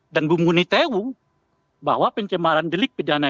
dan bung guni tewung bahwa pencemaran delik bedanya